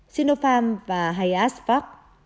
sinopharm và hayat vac